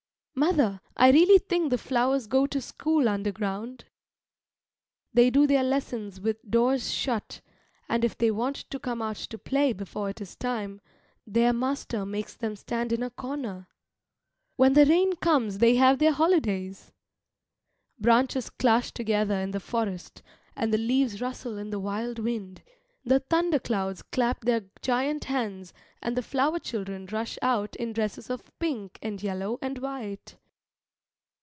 Mother, I really think the flowers go to school underground. They do their lessons with doors shut, and if they want to come out to play before it is time, their master makes them stand in a corner. When the rains come they have their holidays. Branches clash together in the forest, and the leaves rustle in the wild wind, the thunder clouds clap their giant hands and the flower children rush out in dresses of pink and yellow and white.